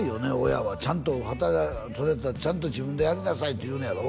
親はちゃんとそれやったらちゃんと自分でやりなさいって言うねやろ？